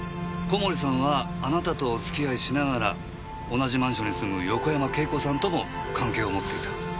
小森さんはあなたとお付き合いしながら同じマンションに住む横山慶子さんとも関係を持っていた。